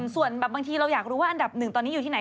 ส่วนแบบบางทีเราอยากรู้ว่าอันดับหนึ่งตอนนี้อยู่ที่ไหน